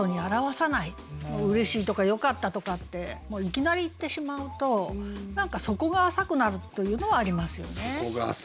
「嬉しい」とか「よかった」とかっていきなり言ってしまうと何か底が浅くなるというのはありますよね。